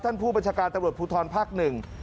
ผู้บัญชาการตำรวจภูทรภาคหนึ่ง